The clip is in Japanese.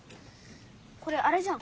これあれじゃん。